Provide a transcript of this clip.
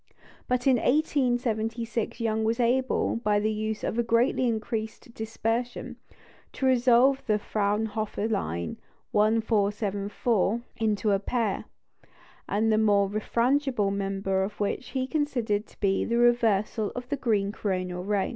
But in 1876 Young was able, by the use of greatly increased dispersion, to resolve the Fraunhofer line "1474" into a pair, the more refrangible member of which he considered to be the reversal of the green coronal ray.